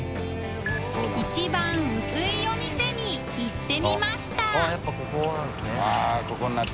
祕貳薄いお店に行ってみました中島）